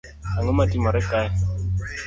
Ango matimore kae